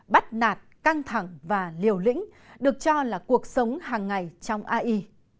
bắt nạt căng thẳng và liều lĩnh được cho là cuộc sống hàng ngày trong ai